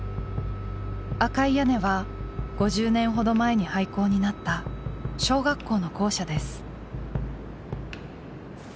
赤い屋根は５０年ほど前に廃校になった小学校の校舎です。